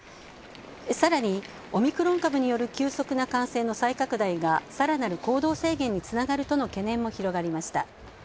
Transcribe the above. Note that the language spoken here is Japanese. さらに、オミクロン株による急速な感染の再拡大がさらなる行動制限につながるとの懸念も広がりました。